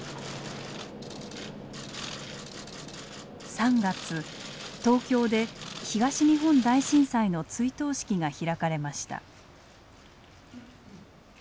３月東京で東日本大震災の追悼式が開かれました。